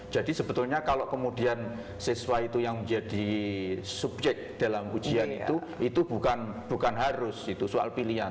jadi sebetulnya kalau kemudian siswa itu yang menjadi subjek dalam ujian itu itu bukan harus soal pilihan